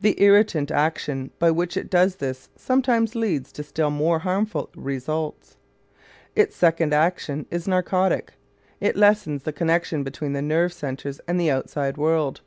The irritant action by which it does this sometimes leads to still more harmful results. Its second action is narcotic: it lessens the connection between nerve centers and the outside world.